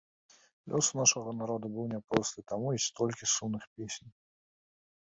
Лёс у нашага народа быў няпросты, таму і столькі сумных песень.